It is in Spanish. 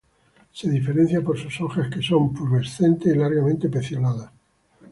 Se diferencia por sus hojas, que son pubescentes y largamente pecioladas.